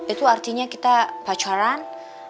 itu artinya kita pacaran